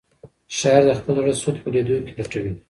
شاعر د خپل زړه سود په لیدو کې لټوي.